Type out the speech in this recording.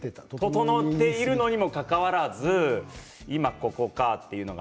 整っているにもかかわらず今ここかと。